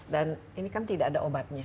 dan ini kan tidak ada obatnya